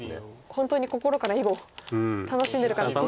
本当に心から囲碁を楽しんでるからこそのですよね。